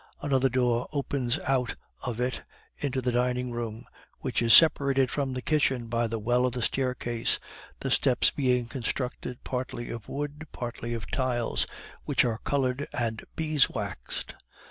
Another door opens out of it into the dining room, which is separated from the kitchen by the well of the staircase, the steps being constructed partly of wood, partly of tiles, which are colored and beeswaxed.